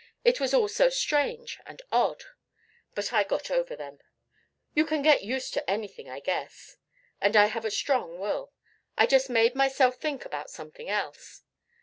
It was all so strange and odd. But I got over them. You can get used to anything, I guess. And I have a strong will. I just made myself think about something else.